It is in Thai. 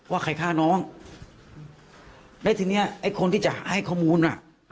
ว่าใครฆ่าน้องแล้วทีเนี้ยไอ้คนที่จะให้ข้อมูลอ่ะ